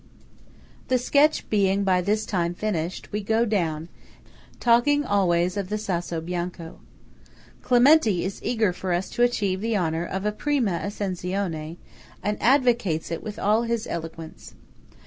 The sketch being by this time finished, we go down, talking always of the Sasso Bianco. Clementi is eager for us to achieve the honour of a "prima ascenzione," and advocates it with all his eloquence.